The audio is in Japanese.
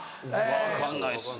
分かんないですね。